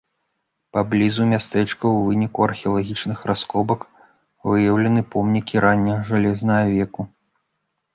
Паблізу мястэчка ў выніку археалагічных раскопак выяўленыя помнікі ранняга жалезнага веку.